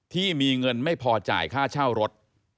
ที่มีเงินไม่พอจ่ายค่าเช่ารถ